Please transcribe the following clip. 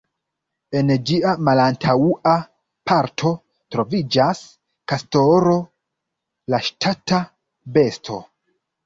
En ĝia malantaŭa parto troviĝas kastoro, la ŝtata besto.